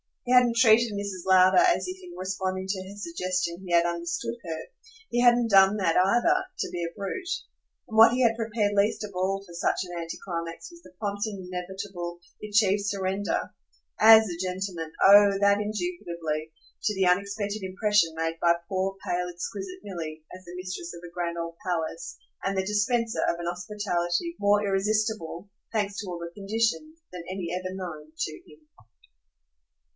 He hadn't treated Mrs. Lowder as if in responding to her suggestion he had understood her he hadn't done that either to be a brute. And what he had prepared least of all for such an anti climax was the prompt and inevitable, the achieved surrender AS a gentleman, oh that indubitably! to the unexpected impression made by poor pale exquisite Milly as the mistress of a grand old palace and the dispenser of an hospitality more irresistible, thanks to all the conditions, than any ever known to him.